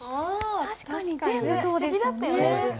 確かに全部そうですよね。